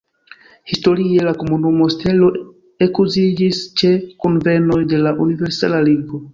Historie, la monunuo stelo ekuziĝis ĉe kunvenoj de la Universala Ligo.